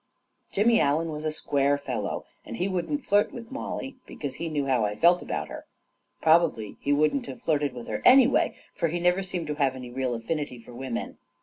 Jimmy Allen was a square fellow, and he wouldn't flirt with Mollie, because he knew how I felt about ., her. Probably he wouldn't have flirted with her anyway, for he never seemed to have any real affinity for women.